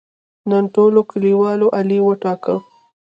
نن ټولو کلیوالو علي وټاکه.